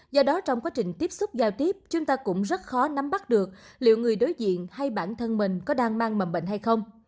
do đó trong quá trình tiếp xúc giao tiếp chúng ta cũng rất khó nắm bắt được liệu người đối diện hay bản thân mình có đang mang mầm bệnh hay không